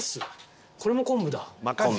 これも昆布だ。